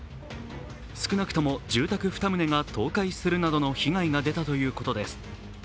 少なくとも住宅２棟が倒壊するなどの被害が出たということです。